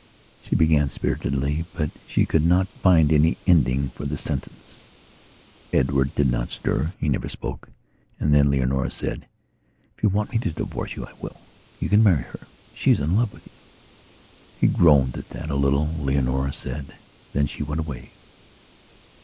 She began spiritedly, but she could not find any ending for the sentence. Edward did not stir; he never spoke. And then Leonora said: "If you want me to divorce you, I will. You can marry her then. She's in love with you." He groaned at that, a little, Leonora said. Then she went away.